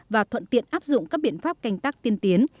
và thuận tiện áp dụng các biện pháp canh tác tiên tiến